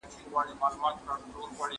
د پلار هدف باید پټ نه وي.